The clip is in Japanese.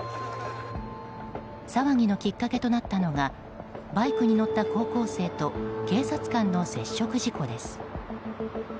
騒ぎのきっかけとなったのがバイクに乗った高校生と警察官の接触事故です。